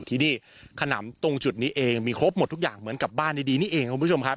ทั้งหมด๓กรง